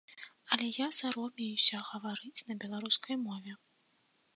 Але я саромеюся гаварыць на беларускай мове.